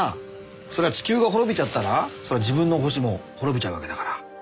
そりゃ地球が滅びちゃったらそりゃ自分の星も滅びちゃうわけだから。